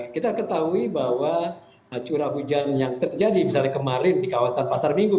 kita ketahui bahwa curah hujan yang terjadi misalnya kemarin di kawasan pasar minggu